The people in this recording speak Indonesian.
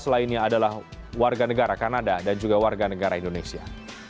selainnya adalah warga negara kanada dan juga warga negara indonesia